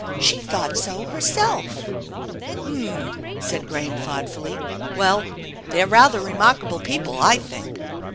She thought so herself/' " H'm !" said Graham thoughtfully. " Well, they're rather remarkable people, I think."